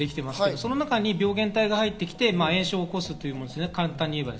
その中に病原体が入ってきて炎症を起こす、簡単に言えば。